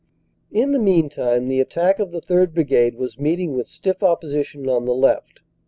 "In the meantime the attack of the 3rd. Brigade was meet ing with stiff opposition on the left.